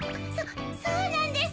そうなんです！